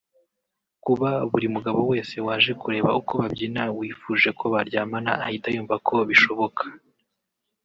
Kuba buri mugabo wese waje kureba uko babyina wifuje ko baryamana ahita yumva ko bishoboka;